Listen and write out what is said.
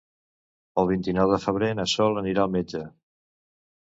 El vint-i-nou de febrer na Sol anirà al metge.